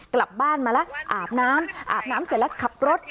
กลับบ้านมาแล้วอาบน้ำอาบน้ำเสร็จแล้วขับรถ